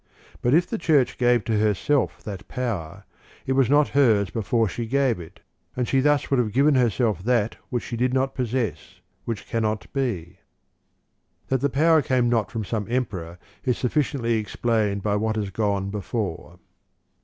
But if the Church gave to herself that power, it was not hers before she gave it, and she thus would have given herself that which she did not possess, which cannot be. 5. That the power came not from some Em peror is sufficiently explained by what has gone before.